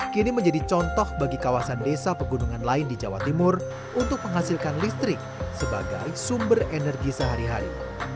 kini menjadi contoh bagi kawasan desa pegunungan lain di jawa timur untuk menghasilkan listrik sebagai sumber energi sehari hari